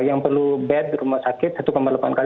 yang perlu bed rumah sakit satu delapan kali